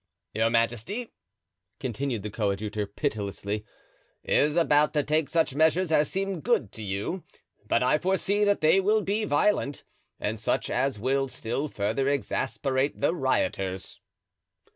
"Your majesty," continued the coadjutor, pitilessly, "is about to take such measures as seem good to you, but I foresee that they will be violent and such as will still further exasperate the rioters."